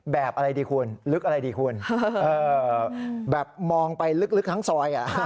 แบบอะไรดีคุณลึกอะไรดีคุณแบบมองไปลึกทั้งซอย